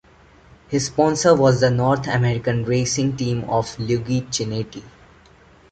His sponsor was the North American Racing Team of Luigi Chinetti.